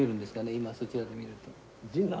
今そちらで見ると。